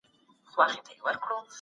زړونو کي شته